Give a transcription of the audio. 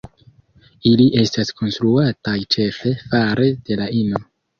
Ili estas konstruataj ĉefe fare de la ino.